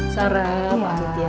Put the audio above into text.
sarah pamit ya